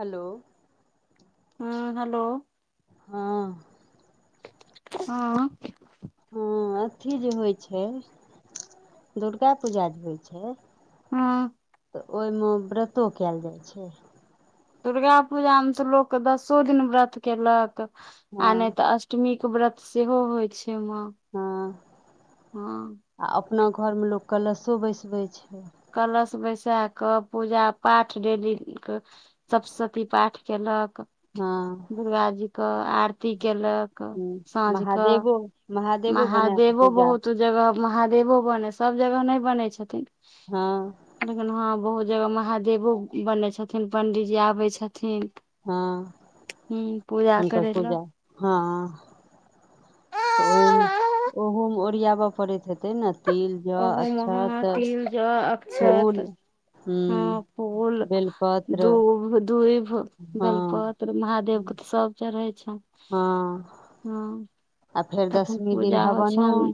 हलो हुँ हलो हँ हँ हँ अथी जे होइ छै दुर्गा पूजा जे होइ छै हँ तऽ ओइ मऽ व्रतो कैल जाइ छै दुर्गा पूजा मे तऽ लोक दसो दिन व्रत केलक हँ आ नय तऽ अष्ट मी केँ व्रत सेहो होय छै माँ हँ हँ आ अपना घरमे लोक कलशो बैसबै छै कलश बैसा कऽ पूजा पाठ डेली कऽ सब सती पाठ केलक हँ दुर्गा जी कऽ आरती केलक साँझ कऽ उ महाज महादेवो बहुत जगह महादेवो बनै सब जगह नइ बनै छथिन हँ लेकिन हँ बहुत जगह महादेवो बनै छथिन पंडीजी आबै छथिन हँ ह पूजा हुनकर करै लए पूजा हँ तऽ ओहोमे ओरियाब पड़ैत हेतै नऽ ओहो मे हँ तिल जऽ अक्षत फूल हँ हूँ फूल बेलपत्र दूब दुइभ हँ बेलपत्र महादेव केँ तऽ सब चरहै छैन हँ आ फेर तखन दसमी दिन पूजा होइ हवनो छनि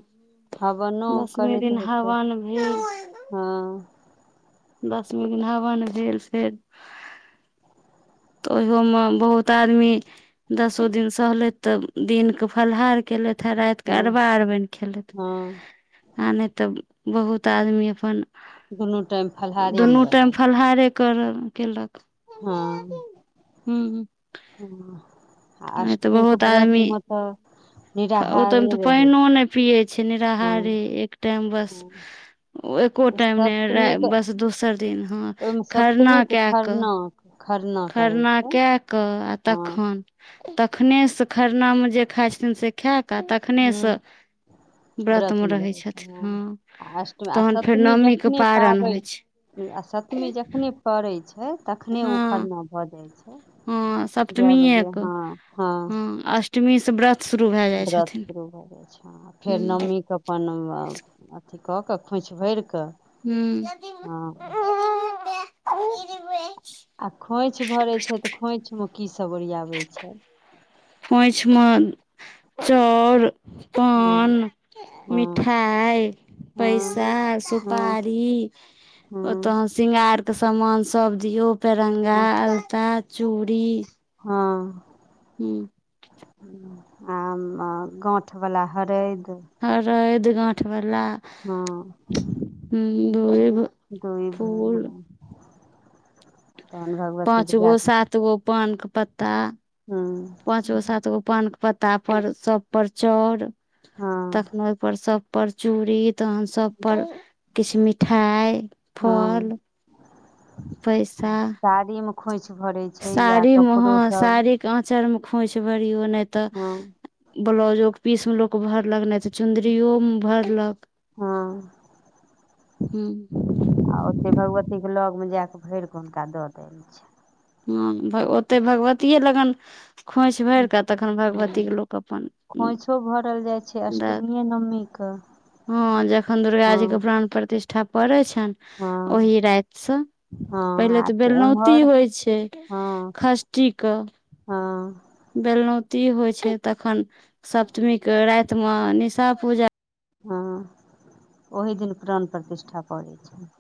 हवनो दसमी करैत दिन हेतै हवन भेल हँ दसमी दिन हवन भेल फेर तऽ ओहयो मे बहुत आदमी दसो दिन सहलैत तऽ दिनके कऽ फलहार केलथ हँ राइत कऽ अरबा अरबाइन खेलैथ हँ आ नै तऽ बहुत आदमी अपन दुनू टाइम फलहारे मे दुनू टाइम रहल फलहारे करल केलक हँ हुँ हँ आ अष्टमी केँ बहुत आदमी व्रतमे तऽ ओ तऽमे निराहारे तऽ रहै पैनो नै पियै छि हँ निराहारी एक टाइम बस हँ एको टाइम नै सप्तमी के बस दोसर दिन हँ खरना कए कऽ खरनाक खरना करै खरना छै कए कऽ आ हँ तखन तखने सँ खरना मे जे खाइ छथिन से खेऐ कऽ तखने हूँ से व्रत व्रतमे मे रहै छै छथिन हँ आ अष्टमी आ तहन फेर सप्तमी नमीके जखने पारन पाबै होइ छै आ सप्तमी जखने पड़ैत छै तखने ओ खरना भऽ जाइत छै ह जए सप्तमीए बजे क हँ हँ ह अष्टमी से व्रत शुरू भए जाइ व्रत छथिन शुरू भऽ जाइ छै फेर हुँ नमीे क [unintelligible] अथी कऽ कऽ खोइछ भरिक [unintelligible] आ खोँइछ भरै छै तऽ खोइछ मे की सब ओरियाबै छै खोइछ मे चाउर पान हँ हँ मिठाइ हँ पैसा सुपारी हु शिंगार के समान सब दिऔ पेरंगा हँ अलता चूड़ी हँ हूँ आँ आँ गाँँठ वला हरैद हरैद गाँठ वला हँ ह दुइभ दुइभ हँ तहन भग पाँच गो सात गो पान के पत्ता हु पांच गो सात गो पान के पत्ता पर सब पर चाउर हँ तखन सब पर सब पर चूड़ी तहन सभ पर किछु मिठाइ हँ फल पैसा साड़ी में खोंइछ भरै छै या कपड़ो सब आँचर में खोंईछ भरियौ नै तऽ हँ ब्लाउजो के पीस में लोक भरलक नज चुन्दरियो मे भरलक हँ हु आ ओतै भगवती क लग मे जा कऽ भरि कऽ हुनका दऽ देने छन हँ ओतै भगवतीये लगन खोइछ भरि ह कऽ तखन हूँ भगवतीके लोक अपन खोँइछो भरल जाइ छै दऽ अष्टमिए नमी कह हँ जखन दुर्गा जी के प्राण प्रतिष्ठा पड़ै छैन हँ ओहि राति सँ पहिले हँ आ तऽ बेलनौती एम्हर होइ छै हँ खस कीक हँ बेलनौती हो छै तखन सप्तमी के राति में निशा पूजा हँ ओहि दिन प्राण प्रतिष्ठा पड़ै छय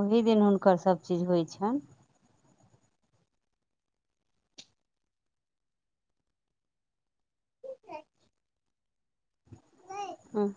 ओही दिन हुनकर सभ चीज होइ छन हँ।